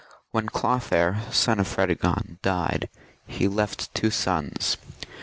When Clotaire, son of Fredegond, died, he left two sons.